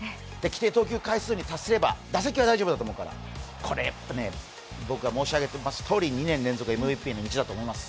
規定投球回数に達すれば打席は大丈夫だと思うから僕は申し上げていますとおり２年連続ＭＶＰの道だと思います。